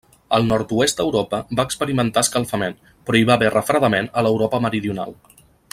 El nord-oest d'Europa va experimentar escalfament, però hi va haver refredament a l'Europa meridional.